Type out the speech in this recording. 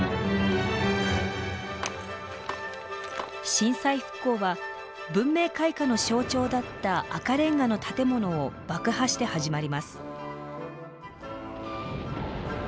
震災復興は文明開化の象徴だった赤レンガの建物を爆破して始まります。